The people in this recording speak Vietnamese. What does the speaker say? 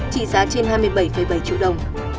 chỉ giá trên hai mươi bảy bảy triệu đồng